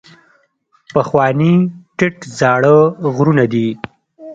پخواني ټیټ زاړه غرونه دي.